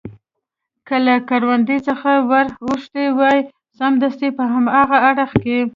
که له کروندو څخه ور اوښتي وای، سمدستي په هاغه اړخ کې.